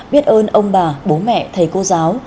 biết ơn ông bà bố mẹ thầy cô giáo